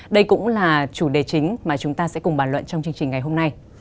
đây cũng là chủ đề chính mà chúng ta sẽ cùng bàn luận trong chương trình ngày hôm nay